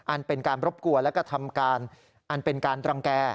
อันเป็นการรบกวนและกระทำการอันเป็นการรังแก่